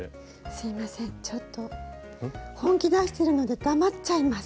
すいませんちょっと本気出しているので黙っちゃいます。